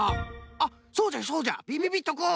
あっそうじゃそうじゃびびびっとくん。